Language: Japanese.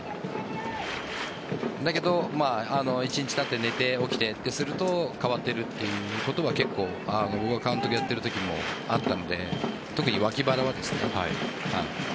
だけど一日たって寝て起きてってすると変わっているということは結構僕が監督やっているときにもあったので特にわき腹はです。